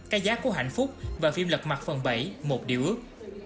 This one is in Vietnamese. cái giác của hạnh phúc và phim lật mặt phần bảy một điều ước